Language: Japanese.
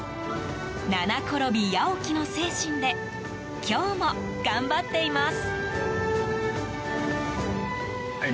七転び八起きの精神で今日も頑張っています。